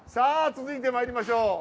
続いてまいりましょう。